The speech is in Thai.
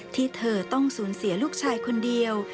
ที่เธอต้องสูญเสียลูกชายคนเดียว